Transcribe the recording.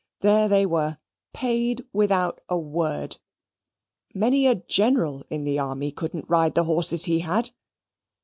There they were paid without a word. Many a general in the army couldn't ride the horses he had!